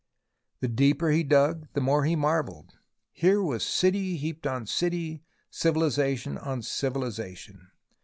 The deeper he dug, the more he marvelled. Here was city heaped on city, civilization on civilization.